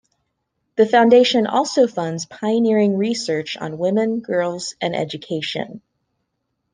The Foundation also funds pioneering research on women, girls, and education.